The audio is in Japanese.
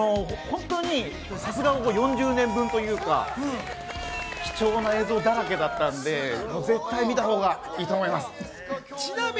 さすが４０年分というか、貴重な映像だらけだったので、絶対見たほうがいいと思います。